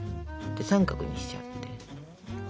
三角にしちゃって。